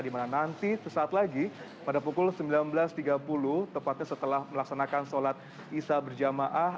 dimana nanti sesaat lagi pada pukul sembilan belas tiga puluh tepatnya setelah melaksanakan sholat isya berjamaah